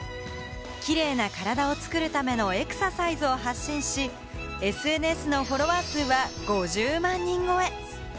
キレイな体を作るためのエクササイズを発信し、ＳＮＳのフォロワー数は５０万人超え。